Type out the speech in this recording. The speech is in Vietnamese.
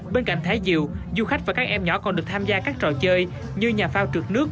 bên cạnh thái diều du khách và các em nhỏ còn được tham gia các trò chơi như nhà phao trượt nước